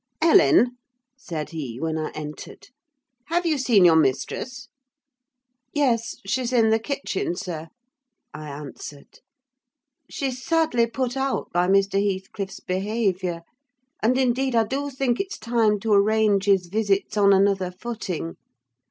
"Ellen," said he, when I entered, "have you seen your mistress?" "Yes; she's in the kitchen, sir," I answered. "She's sadly put out by Mr. Heathcliff's behaviour: and, indeed, I do think it's time to arrange his visits on another footing.